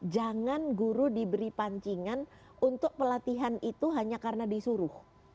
jangan guru diberi pancingan untuk pelatihan itu hanya karena disuruh